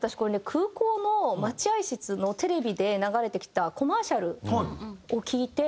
空港の待合室のテレビで流れてきたコマーシャルを聞いて。